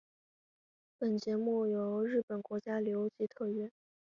本节目由日本国家旅游局特约。